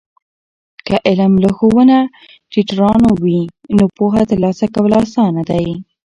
که علم له ښوونه ټیټرانو وي، نو پوهه ترلاسه کول آسانه دی.